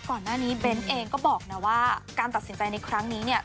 ก่อนหน้านี้เบ้นเองก็บอกนะว่าการตัดสินใจในครั้งนี้เนี่ย